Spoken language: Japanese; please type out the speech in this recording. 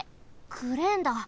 クレーンだ。